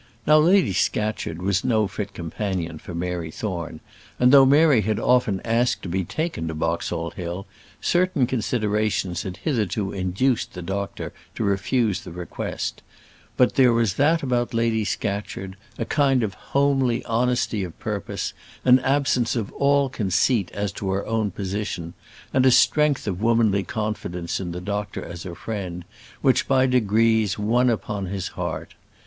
Now Lady Scatcherd was no fit companion for Mary Thorne, and though Mary had often asked to be taken to Boxall Hill, certain considerations had hitherto induced the doctor to refuse the request; but there was that about Lady Scatcherd, a kind of homely honesty of purpose, an absence of all conceit as to her own position, and a strength of womanly confidence in the doctor as her friend, which by degrees won upon his heart.